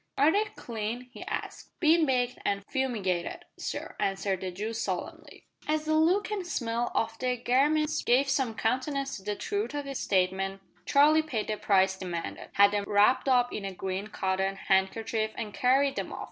"Are they clean?" he asked. "Bin baked and fumigated, sir," answered the Jew solemnly. As the look and smell of the garments gave some countenance to the truth of this statement, Charlie paid the price demanded, had them wrapped up in a green cotton handkerchief, and carried them off.